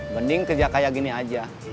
mending kerja kayak gini aja